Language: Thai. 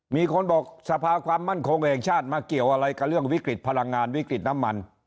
มีคนบอกสภาความมั่นคงแห่งชาติมาเกี่ยวอะไรกับเรื่องวิกฤตพลังงานวิกฤตน้ำมัน